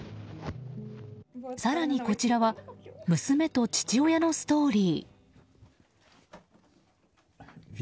更に、こちらは娘と父親のストーリー。